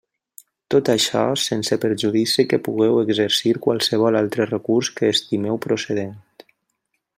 Tot això sense perjudici que pugueu exercir qualsevol altre recurs que estimeu procedent.